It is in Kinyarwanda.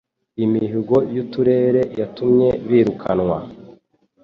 Imihigo y' uturere yatumye birukanwa